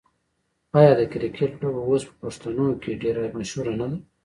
آیا د کرکټ لوبه اوس په پښتنو کې ډیره مشهوره نه ده؟